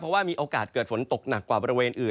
เพราะว่ามีโอกาสเกิดฝนตกหนักกว่าบริเวณอื่น